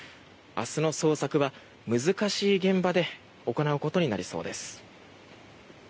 明日の捜索は難しい現場で行うことになりそうです。